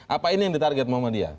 apa ini yang ditarget mohd dia